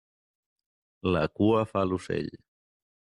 La cua fa l'ocell.